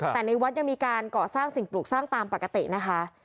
แต่ในวัดยังมีการก่อสร้างสิ่งปลูกสร้างตามปกตินะคะ